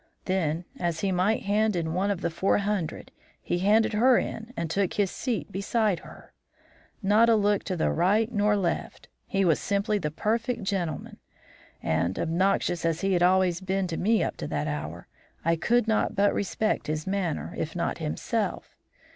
Then, as he might hand in one of the four hundred, he handed her in and took his seat beside her. Not a look to the right nor left, he was simply the perfect gentleman; and, obnoxious as he had always been to me up to that hour, I could not but respect his manner if not himself.